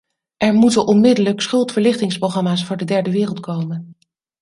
Er moeten onmiddellijk schuldverlichtingsprogramma's voor de derde wereld komen.